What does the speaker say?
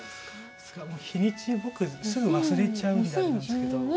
いつから日にち僕すぐ忘れちゃうんであれなんですけど。